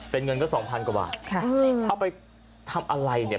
เป็นเงินก็๒๐๐๐กว่าบาทเอาไปทำอะไรเนี่ย